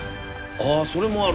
あそれもある。